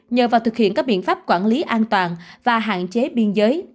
nhờ vào thực hiện các biện pháp quản lý an toàn và hạn chế biên giới